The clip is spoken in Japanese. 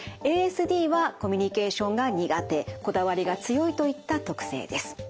ＡＳＤはコミュニケーションが苦手こだわりが強いといった特性です。